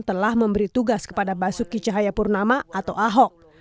telah memberi tugas kepada basuki cahayapurnama atau ahok